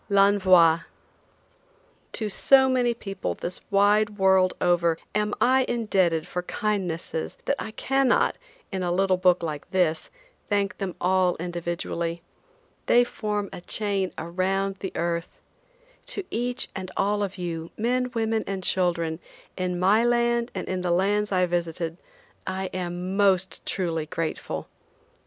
L'ENVOI. To so many people this wide world over am I indebted for kindnesses that I cannot, in a little book like this, thank them all individually. They form a chain around the earth. To each and all of you, men, women and children, in my land and in the lands I visited, I am most truly grateful.